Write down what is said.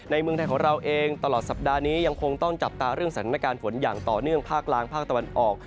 เมืองไทยของเราเองตลอดสัปดาห์นี้ยังคงต้องจับตาเรื่องสถานการณ์ฝนอย่างต่อเนื่องภาคล่างภาคตะวันออก